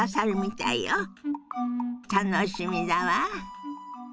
楽しみだわ。